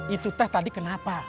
itu teh tadi kenapa